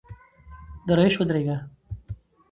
درایش ودرېږه !!